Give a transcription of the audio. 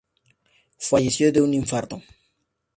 Falleció de un infarto.